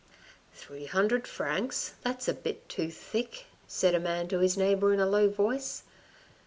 " Three hundred francs, that's a bit too thick," said a man to his neighbour in a low voice.